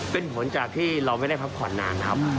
เป็นผลจากที่เราไม่ได้พักผ่อนนานครับ